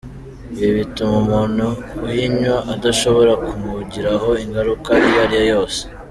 Ibi bituma umuntu uyinywa idashobora kumugiraho ingaruka iyo ariyo yose.